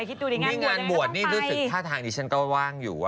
คิดดูดิงานหมวดเลยต้องไปดิงานหมวดนี่รู้สึกท่าทางนี้ฉันก็ว่าว่างอยู่